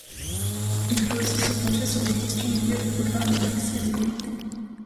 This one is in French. Il peut aussi se pencher sur des questions liées aux programmes d’accès à l’égalité.